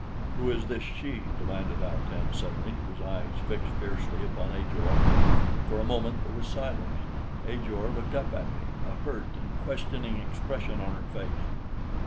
"Whose is this she?" demanded Al tan suddenly, his eyes fixed fiercely upon Ajor. For a moment there was silence. Ajor looked up at me, a hurt and questioning expression on her face.